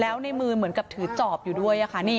แล้วในมือเหมือนกับถือจอบอยู่ด้วยค่ะ